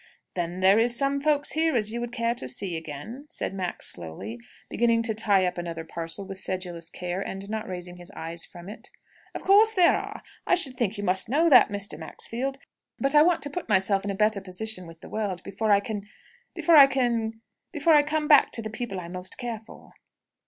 Then there is some folks here as you would care to see again?" said Maxfield slowly, beginning to tie up another parcel with sedulous care, and not raising his eyes from it. "Of course there are! I I should think you must know that, Mr. Maxfield! But I want to put myself in a better position with the world before I can before I come back to the people I most care for."